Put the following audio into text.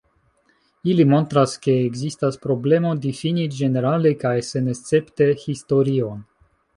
Ili montras, ke ekzistas problemo difini ĝenerale kaj senescepte historion.